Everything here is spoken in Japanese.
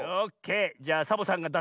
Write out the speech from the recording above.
じゃサボさんがだすぞ。